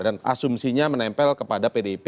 dan asumsinya menempel kepada pdip